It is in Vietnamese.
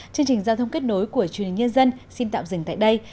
chương trình giao thông kết nối của truyền hình nhân dân xin tạm dừng tại đây